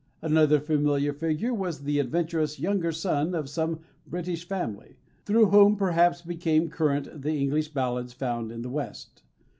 Another familiar figure was the adventurous younger son of some British family, through whom perhaps became current the English ballads found in the West.